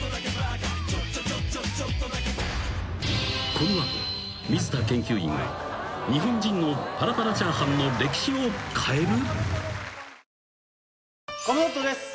［この後水田研究員が日本人のパラパラチャーハンの歴史を変える？］